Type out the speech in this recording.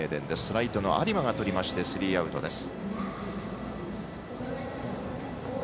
ライトの有馬がとりましてスリーアウトです。